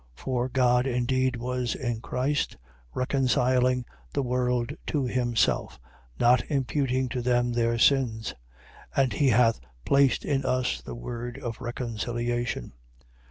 5:19. For God indeed was in Christ, reconciling the world to himself, not imputing to them their sins. And he hath placed in us the word of reconciliation.